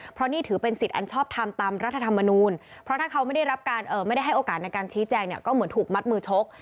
เพราะนี่ถือเป็นสิทธิ์อันชอบทำตามรัฐธรรมนูลเพราะถ้าเขาไม่ได้รับการไม่ได้ให้โอกาสในการชี้แจงเนี่ยก็เหมือนถูกมัดมือชก